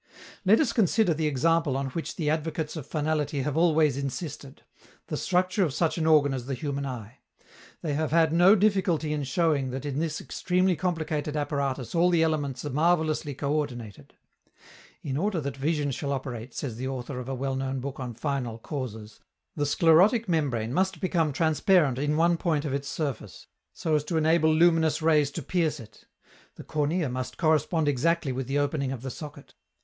Let us consider the example on which the advocates of finality have always insisted: the structure of such an organ as the human eye. They have had no difficulty in showing that in this extremely complicated apparatus all the elements are marvelously co ordinated. In order that vision shall operate, says the author of a well known book on Final Causes, "the sclerotic membrane must become transparent in one point of its surface, so as to enable luminous rays to pierce it;... the cornea must correspond exactly with the opening of the socket